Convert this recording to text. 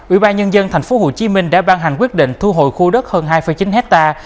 ủy ban nhân dân tp hcm đã ban hành quyết định thu hồi khu đất hơn hai chín hectare